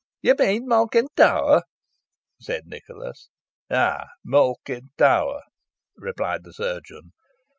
"You mean Malkin Tower?" said Nicholas. "Ay, Malkin Tower," replied the chirurgeon.